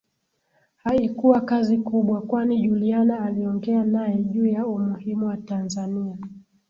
Haikuwa kazi kubwa kwani Juliana aliongea nae juu ya umuhimu wa Tanzania